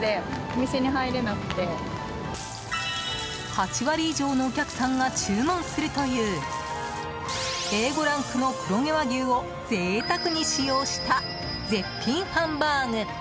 ８割以上のお客さんが注文するというＡ５ランクの黒毛和牛を贅沢に使用した絶品ハンバーグ。